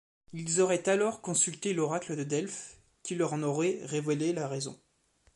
Ils auraient alors consulté l'oracle de Delphes qui leur en aurait révélé la raison.